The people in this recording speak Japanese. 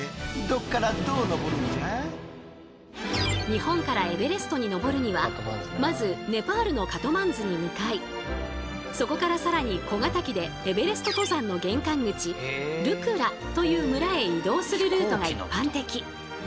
日本からエベレストに登るにはまずネパールのカトマンズに向かいそこから更に小型機でエベレスト登山の玄関口ルクラという村へ移動するルートが一般的。